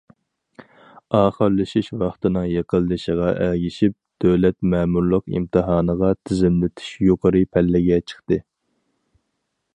ئاخىرلىشىش ۋاقتىنىڭ يېقىنلىشىغا ئەگىشىپ، دۆلەت مەمۇرلۇق ئىمتىھانىغا تىزىملىتىش يۇقىرى پەللىگە چىقتى.